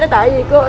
tôi không có tỏa